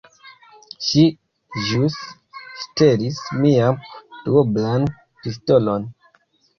Ŝi ĵus ŝtelis mian duoblan pistolon.